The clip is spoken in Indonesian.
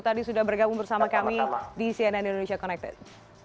tadi sudah bergabung bersama kami di cnn indonesia connected